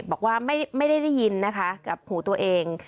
บอกว่าไม่ได้ยินนะคะกับหูตัวเอง